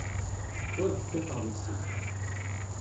Ur d-kkateɣ deg-sent.